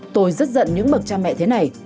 tôi rất giận những bậc cha mẹ thế này